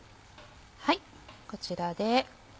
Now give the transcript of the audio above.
こちらで。